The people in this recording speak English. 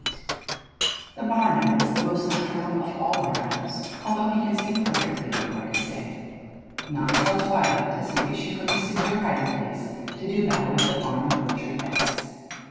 The barn owl is the most nocturnal of all our owls, although he can see perfectly in the brightest day. Not until twilight does he issue from his secure hiding place to do battle with the farm and orchard pests.